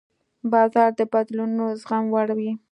بازار د بدلونونو د زغم وړ وي.